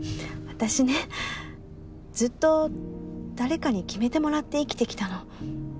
私ねずっと誰かに決めてもらって生きてきたの。